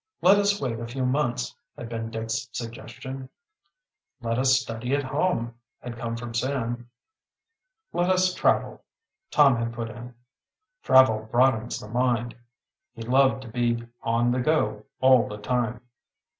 "Let us wait a few months," had been Dick's suggestion. "Let us study at home," had come from Sam. "Let us travel," Tom had put in. "Travel broadens the mind." He loved to be "on the go" all the time.